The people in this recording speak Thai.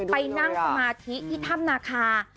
ไปนั่งสมาธิที่ถ้ำนาคา